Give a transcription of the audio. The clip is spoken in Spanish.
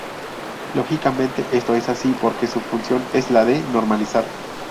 Lógicamente esto es así porque su función es la de normalizar.